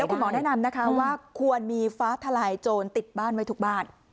คุณหมอแนะนำนะคะว่าควรมีฟ้าทลายโจรติดบ้านไว้ทุกบ้าน